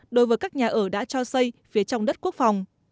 đối với các nhà ở đã cho xây phía trong đất quốc phòng